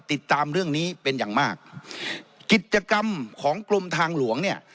ติดตามเรื่องนี้เป็นอย่างมากกิจกรรมของกรมทางหลวงเนี่ย